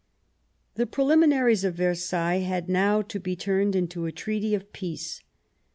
The Preliminaries of Versailles had now to be turned into a Treaty of Peace.